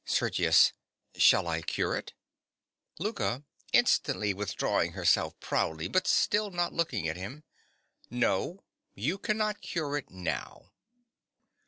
SERGIUS. Shall I cure it? LOUKA. (instantly withdrawing herself proudly, but still not looking at him). No. You cannot cure it now.